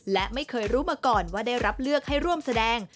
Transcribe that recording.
และไม่เคยรู้มาก่อนว่าได้รับเลือกให้ร่วมแสดง